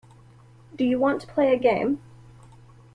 Do you want to play a game.